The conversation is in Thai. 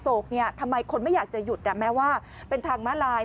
อโศกเนี่ยทำไมคนไม่อยากจะหยุดก็แม้ว่าเป็นทางมาลาย